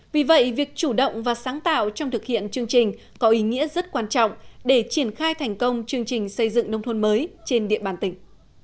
vì vậy việc chủ động và sáng tạo trong thực hiện chương trình có ý nghĩa rất quan trọng để triển khai thành công chương trình xây dựng nông thôn mới trên địa bàn tỉnh